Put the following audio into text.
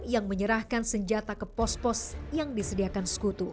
yang menyerahkan senjata ke pos pos yang disediakan sekutu